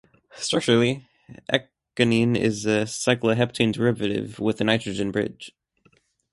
Structurally, ecgonine is a cycloheptane derivative with a nitrogen bridge.